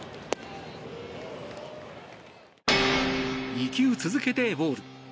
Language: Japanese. ２球続けてボール。